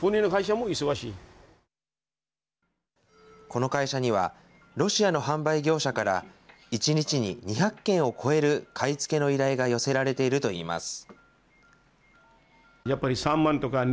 この会社にはロシアの販売業者から１日に２００件を超える買い付けの依頼が寄せられているといいます。